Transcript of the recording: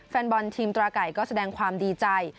แฟนบอลทีมตราไก่ก็แสดงความดีใจ